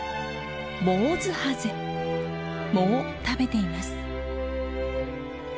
藻を食べています。